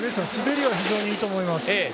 滑りは非常にいいと思います。